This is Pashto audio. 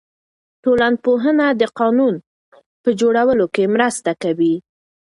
ټولنپوهنه د قانون په جوړولو کې مرسته کوي.